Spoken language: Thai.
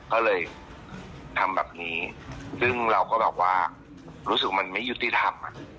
ก็เลยทำแบบนี้ซึ่งเราก็แบบว่ารู้สึกมันไม่ยุติธรรม